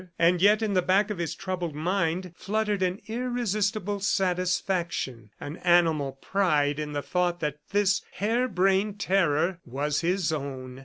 And yet in the back of his troubled mind fluttered an irresistible satisfaction an animal pride in the thought that this hare brained terror was his own.